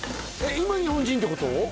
今日本人ってこと？